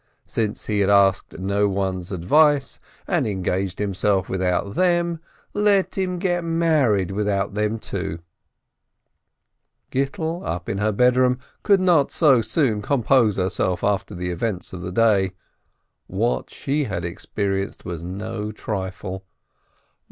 Since he had asked no one's advice, and engaged himself without them, let him get married without them, too ! Gittel, up in her bedroom, could not so soon compose herself after the events of the day. What she had experienced was no trifle.